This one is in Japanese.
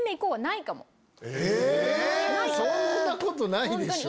え⁉そんなことないでしょ。